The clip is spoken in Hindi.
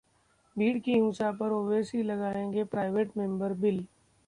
भीड़ की हिंसा पर ओवैसी लाएंगे प्राइवेट मेंबर बिल